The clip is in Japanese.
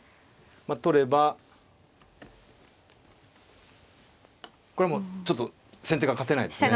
まあ取ればこれはもうちょっと先手が勝てないですね。